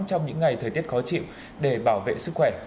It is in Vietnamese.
trong những ngày thời tiết khó chịu để bảo vệ sức khỏe